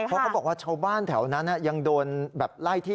เพราะเขาบอกว่าชาวบ้านแถวนั้นยังโดนแบบไล่ที่